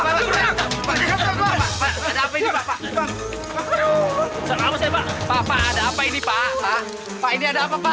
pak ada apa ini pak pak pak ada apa ini pak pak ini ada apa pak